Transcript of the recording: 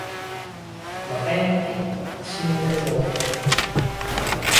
和歌山県串本町